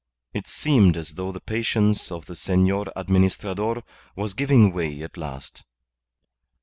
It seemed as though the patience of the Senor Administrador was giving way at last.